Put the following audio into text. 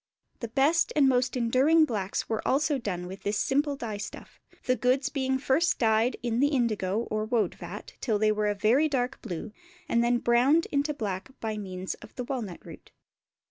The best and most enduring blacks also were done with this simple dye stuff, the goods being first dyed in the indigo or woad vat till they were a very dark blue and then browned into black by means of the walnut root.